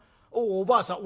おばあさん